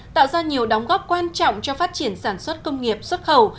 tạo ra nhiều đóng góp quan trọng cho phát triển sản xuất công nghiệp xuất khẩu